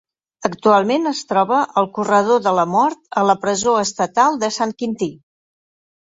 Actualment es troba al corredor de la mort a la presó estatal de Sant Quintí.